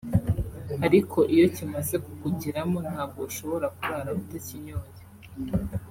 ariko iyo kimaze kukugeramo ntabwo ushobora kurara utakinyoye